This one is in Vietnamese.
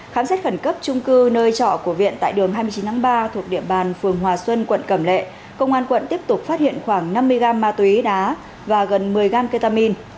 khám xét khẩn cấp trung cư nơi trọ của viện tại đường hai mươi chín tháng ba thuộc địa bàn phường hòa xuân quận cẩm lệ công an quận tiếp tục phát hiện khoảng năm mươi gram ma túy đá và gần một mươi gam ketamin